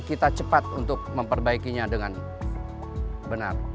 kita cepat untuk memperbaikinya dengan benar